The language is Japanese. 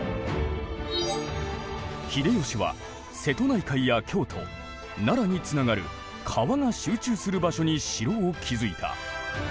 秀吉は瀬戸内海や京都奈良につながる川が集中する場所に城を築いた。